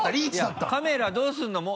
いやカメラどうするの？